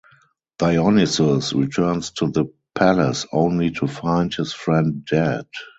Dionysus returns to the palace only to find his friend dead.